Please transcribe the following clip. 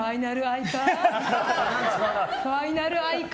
ファイナル愛花？